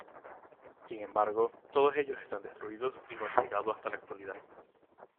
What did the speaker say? Sin embargo, todos ellos están destruidos y no han llegado hasta la actualidad.